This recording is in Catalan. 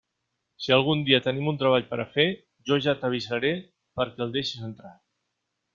Si algun dia tenim un treball per a fer, jo ja t'avisaré perquè el deixes entrar.